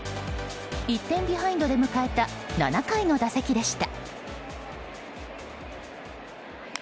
１点ビハインドで迎えた７回の打席でした。